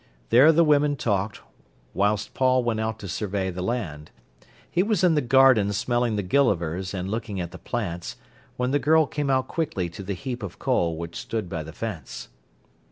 There the women talked, whilst Paul went out to survey the land. He was in the garden smelling the gillivers and looking at the plants, when the girl came out quickly to the heap of coal which stood by the fence.